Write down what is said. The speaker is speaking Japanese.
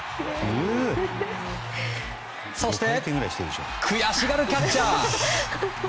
そして悔しがるキャッチャー。